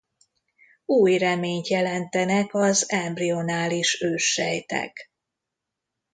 Új reményt jelentenek az embrionális őssejtek.